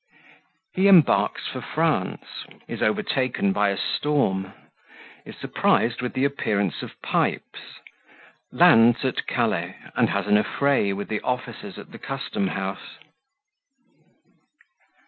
He embarks for France Is overtaken by a Storm Is surprised with the Appearance of Pipes Lands at Calais, and has an Affray with the Officers at the Custom house.